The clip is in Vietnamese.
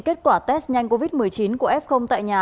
kết quả test nhanh covid một mươi chín của f tại nhà